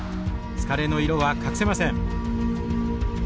疲れの色は隠せません。